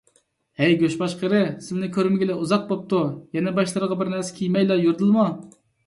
ھەي گۆشباش قېرى، سىلىنى كۆرمىگىلى ئۇزاق بوپتۇ. يەنە باشلىرىغا بىرنەرسە كىيمەيلا يۈردىلىمۇ؟